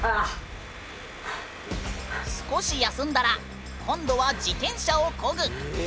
少し休んだら今度は自転車をこぐ。え！